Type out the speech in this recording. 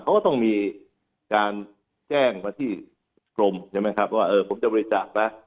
เขาก็ต้องมีการแจ้งมาที่กรมว่าเออผมจะบริจาคแล้ว